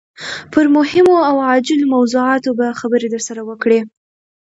پر مهمو او عاجلو موضوعاتو به خبرې درسره وکړي.